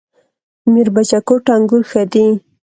میربچه کوټ انګور ښه دي؟